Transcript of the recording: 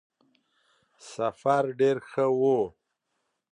سفر ډېر ښه وو.